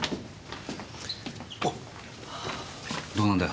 おっどうなんだよ？